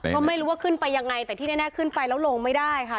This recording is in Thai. ก็ไม่รู้ว่าขึ้นไปยังไงแต่ที่แน่ขึ้นไปแล้วลงไม่ได้ค่ะ